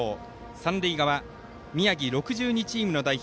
三塁側、宮城６２チームの代表